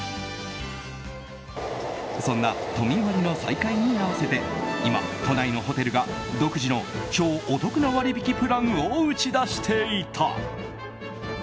そんな都民割の再開に合わせて今、都内のホテルが独自の超お得な割引プランを打ち出していた。